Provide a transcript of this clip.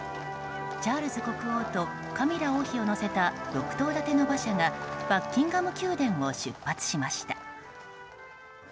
チャールズ国王とカミラ王妃を乗せた６頭立ての馬車がバッキンガム宮殿を出発しました。